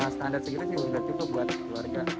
standar segitu sih lima juta buat keluarga